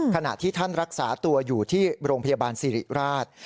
ขณะที่ท่านรักษาตัวอยู่ที่โรงพยาบาลสิริราช